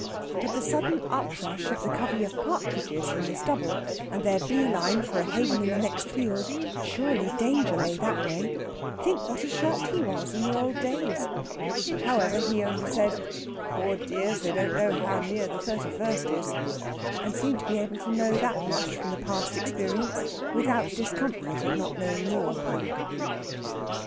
But the sudden uprush of the covey of partridges from the stubble, and their bee line for a haven in the next field surely danger lay that way? Think what a shot he was in the old days! However, he only said, "Poor dears, they don't know how near the thirty first is," and seemed to be able to know that much from past experience without discomfort at not knowing more.